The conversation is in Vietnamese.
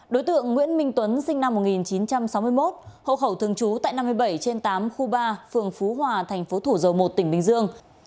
đối tượng nguyễn minh tuấn sinh năm một nghìn chín trăm sáu mươi một hộ khẩu thường trú tại năm mươi bảy trên tám khu ba phường phú hòa thành phố thủ dầu một tỉnh bình dương